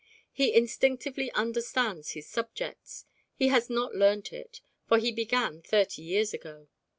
He instinctively understands his subjects: he has not learnt it, for he began thirty years ago.